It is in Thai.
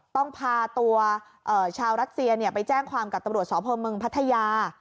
ต้องพาตัวเอ่อชาวรัชเซียเนี้ยไปแจ้งความกับตำรวจสอเพิร์มเมืองพัทยา